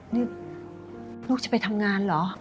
นี่ลูกจะไปทำงานเหรอ